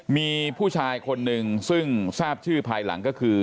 มีผู้ชายคนหนึ่งซึ่งทราบชื่อภายหลังก็คือ